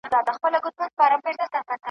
دربار به نه وای په حجرو کي .